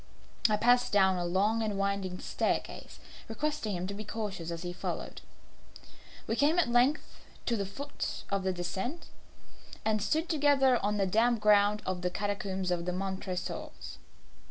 I passed down a long and winding staircase, requesting him to be cautious as he followed. We came at length to the foot of the descent, and stood together on the damp ground of the catacombs of the Montresors.